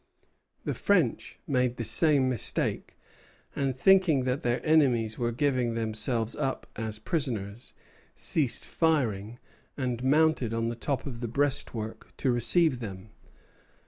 The French made the same mistake; and thinking that their enemies were giving themselves up as prisoners, ceased firing, and mounted on the top of the breastwork to receive them.